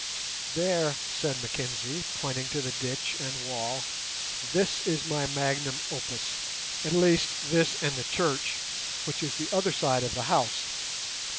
"There," said Mr Mackenzie, pointing to the ditch and wall, "this is my magnum opus; at least, this and the church, which is the other side of the house.